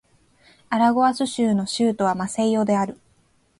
アラゴアス州の州都はマセイオである